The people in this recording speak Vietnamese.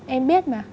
em biết mà